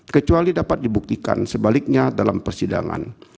kecuali dapat dibuktikan sebaliknya dalam persidangan